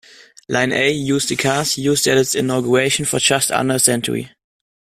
Line A used the cars used at its inauguration for just under a century.